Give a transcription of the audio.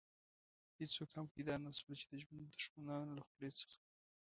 هېڅوک هم پيدا نه شول چې د ژوند د دښمنانو له خولې څخه.